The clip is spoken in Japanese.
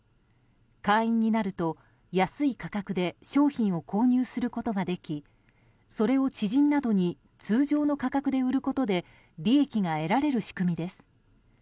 会員になると安い価格で商品を購入することができそれを知人などに通常の価格で売ることで利益が得られる仕組みです。